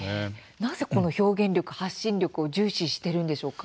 なぜこの表現力、発信力重視しているんでしょうか。